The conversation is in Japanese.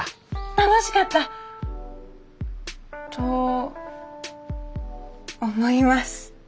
楽しかった！と思います。